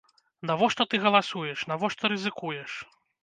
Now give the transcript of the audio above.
Навошта ты галасуеш, навошта рызыкуеш?